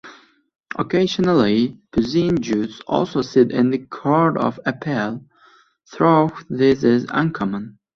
Occasionally, puisne judges also sit in the Court of Appeal, though this is uncommon.